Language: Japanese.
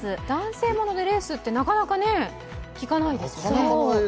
男性ものでレースって、なかなか聞かないですよね。